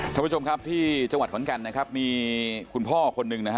ท่านผู้ชมครับที่จังหวัดขอนแก่นนะครับมีคุณพ่อคนหนึ่งนะฮะ